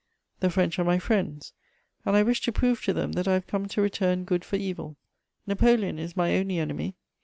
The French are my friends, and I wish to prove to them that I have come to return good for evil. Napoleon is my only enemy.